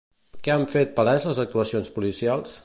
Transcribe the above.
Què han fet palès les actuacions policials?